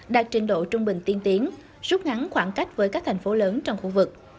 đạt trình độ trung bình tiên tiến rút ngắn khoảng cách với các thành phố lớn trong khu vực